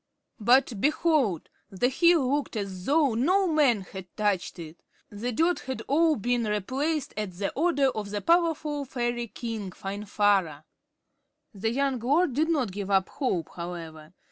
But, behold! The hill looked as though no man had touched it. The dirt had all been replaced at the order of the powerful fairy king, Finvarra. The young lord did not give up hope, however.